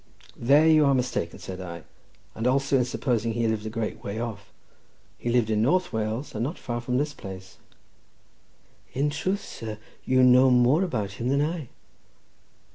"There you are mistaken," said I; "and also in supposing he lived a great way off. He lived in North Wales, and not far from this place." "In truth, sir, you know more about him than I."